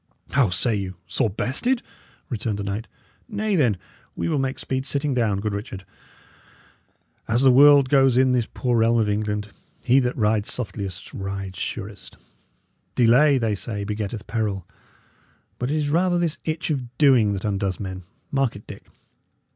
"How say you? Sore bested?" returned the knight. "Nay, then, we will make speed sitting down, good Richard. As the world goes in this poor realm of England, he that rides softliest rides surest. Delay, they say, begetteth peril; but it is rather this itch of doing that undoes men; mark it, Dick.